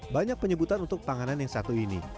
banyak penyebutan untuk panganan yang satu ini